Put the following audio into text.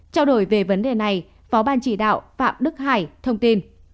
trao đổi về vấn đề này phó ban chỉ đạo phạm đức hải thông tin